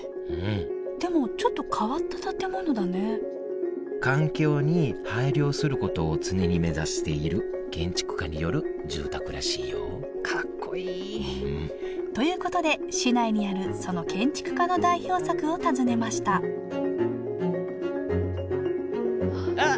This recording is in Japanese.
でもちょっと変わった建物だね環境に配慮することを常に目指している建築家による住宅らしいよかっこいい！ということで市内にあるその建築家の代表作を訪ねましたあっ！